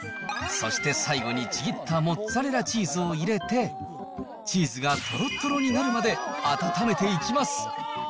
そして最後にちぎったモッツァレラチーズを入れて、チーズがとろっとろになるまで温めていきます。